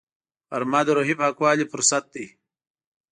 غرمه د روحي پاکوالي فرصت دی